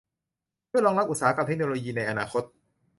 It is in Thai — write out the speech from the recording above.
เพื่อรองรับอุตสาหกรรมเทคโนโลยีในอนาคต